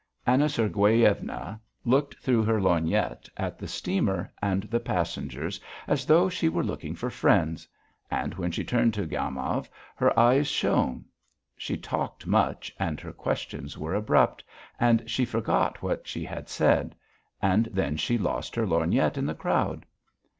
Anna Sergueyevna looked through her lorgnette at the steamer and the passengers as though she were looking for friends, and when she turned to Gomov, her eyes shone. She talked much and her questions were abrupt, and she forgot what she had said; and then she lost her lorgnette in the crowd.